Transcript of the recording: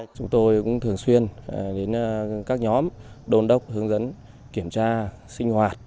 chúng tôi cũng thường xuyên đến các nhóm đồn đốc hướng dẫn kiểm tra sinh hoạt